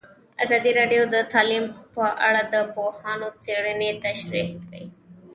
ازادي راډیو د تعلیم په اړه د پوهانو څېړنې تشریح کړې.